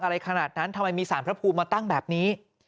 อะไรขนาดนั้นทำไมมีสารพระภูมิมาตั้งแบบนี้